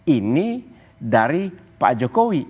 ini dari pak jokowi